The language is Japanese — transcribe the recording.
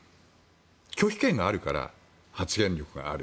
拒否権があるから発言力がある。